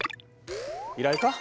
依頼か？